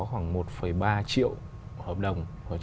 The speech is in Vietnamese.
khoảng một ba triệu hợp đồng